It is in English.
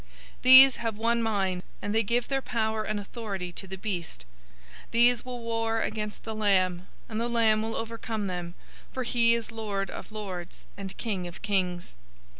017:013 These have one mind, and they give their power and authority to the beast. 017:014 These will war against the Lamb, and the Lamb will overcome them, for he is Lord of lords, and King of kings.